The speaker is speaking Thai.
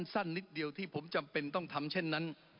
สั้นนิดเดียวที่ผมจำเป็นต้องทำเช่นนั้น